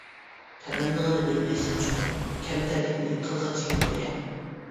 تەمەننانى بىلمەيسەن چوقۇم، كەمتەرلىكنى قىلغاچ ھىمايە.